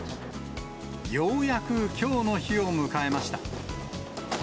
ようやくきょうの日を迎えました。